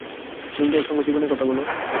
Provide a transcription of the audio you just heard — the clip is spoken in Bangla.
তুমি তো অসংখ্য জীবনের কথা বল।